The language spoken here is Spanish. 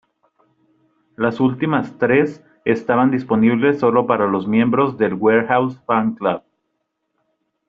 Las últimas tres estaban disponibles solo para los miembros del Warehouse Fan Club.